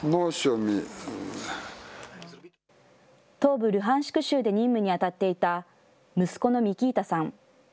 東部ルハンシク州で任務に当たっていた息子のミキータさん。